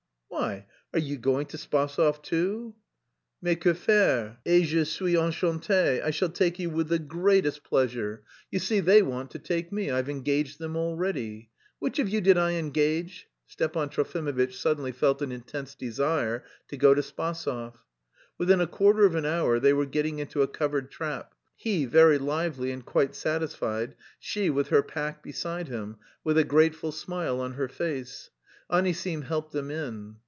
"Why, are you going to Spasov too?" "Mais que faire, et je suis enchanté! I shall take you with the greatest pleasure; you see they want to take me, I've engaged them already. Which of you did I engage?" Stepan Trofimovitch suddenly felt an intense desire to go to Spasov. Within a quarter of an hour they were getting into a covered trap, he very lively and quite satisfied, she with her pack beside him, with a grateful smile on her face. Anisim helped them in.